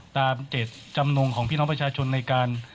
เจตจำนงของพี่น้องประชาชนในการ